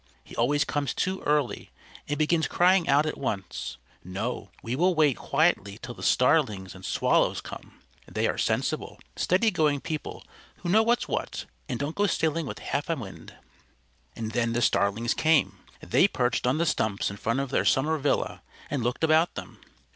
He always comes too early, and begins crying out at once. No, we will wait quietly till the Starlings and Swallows come. They are sensible, steady going people who know what's what, and don't go sailing with half a wind." And then the Starlings came. They perched on the stumps in front of their summer villa, and looked about them.